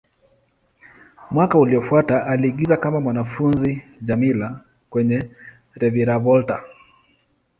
Mwaka uliofuata, aliigiza kama mwanafunzi Djamila kwenye "Reviravolta".